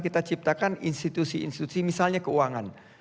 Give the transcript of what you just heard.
kita ciptakan institusi institusi misalnya keuangan